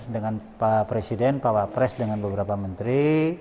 dengan pak presiden pak wak pres dengan beberapa menteri